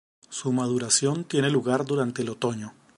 Su maduración tiene lugar durante el Otoño.